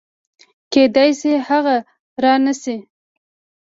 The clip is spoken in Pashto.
کېدای شي هغه رانشي